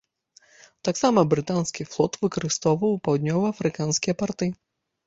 Таксама брытанскі флот выкарыстоўваў паўднева-афрыканскія парты.